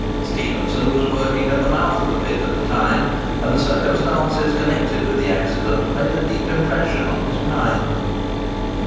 Stephenson was working at the mouth of the pit at the time, and the circumstances connected with the accident made a deep impression on his mind.